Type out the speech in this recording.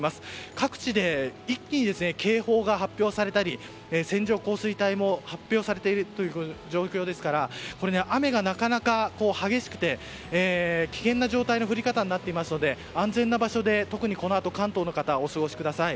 各地で一気に警報が発表されたり線状降水帯も発表されているという状況ですから雨がなかなか激しくて危険な状態の降り方になっていますので安全な場所で特にこのあと関東の方はお過ごしください。